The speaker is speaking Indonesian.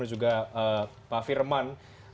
dan juga pak firman